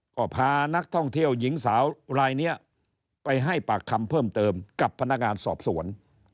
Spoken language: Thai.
ก็พานักท่องเที่ยวหญิงสาวรายนี้ไปให้ปากคำเพิ่มเติมกับพนักงานสอบสวน